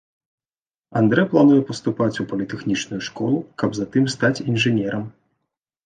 Андрэ плануе паступаць у політэхнічную школу, каб затым стаць інжынерам.